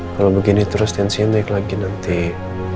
kalau begini terus tensinya naik lagi nanti